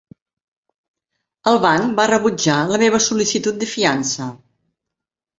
El banc va rebutjar la meva sol·licitud de fiança.